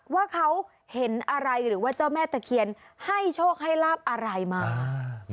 ว่าเขาเห็นอะไรหรือว่าเจ้าแม่ตะเคียนให้โชคให้ลาบอะไรมา